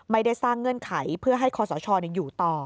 ไม่ได้สร้างเงื่อนไขเพื่อให้คอสชอยู่ต่อ